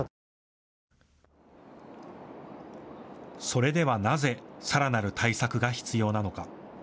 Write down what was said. それではなぜ、さらなる対策が必要なのか。